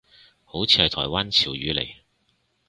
好似係台灣潮語嚟